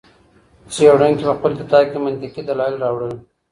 څېړونکي په خپل کتاب کې منطقي دلایل راوړل.